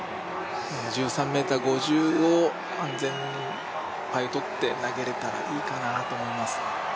１３ｍ５０を安全パイとって投げれたらいいかなと思います。